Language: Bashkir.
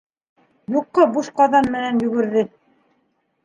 Юҡҡа буш ҡаҙан менән йүгерҙе.